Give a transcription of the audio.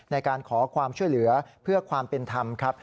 ในการขอความช่วยเหลือเพื่อความเป็นธรรมครับ